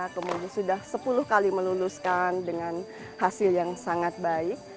kemudian sudah sepuluh kali meluluskan dengan hasil yang sangat baik